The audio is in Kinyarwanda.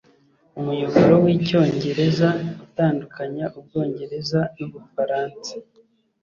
Umuyoboro wicyongereza utandukanya Ubwongereza nu Bufaransa